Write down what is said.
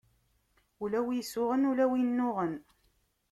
Ula wi isuɣen, ula wi innuɣen.